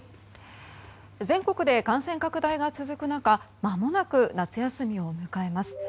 全国で感染拡大が続く中まもなく夏休みを迎えます。